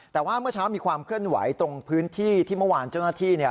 แต่ว่าเมื่อเช้ามีความเคลื่อนไหวตรงพื้นที่ที่เมื่อวานเจ้าหน้าที่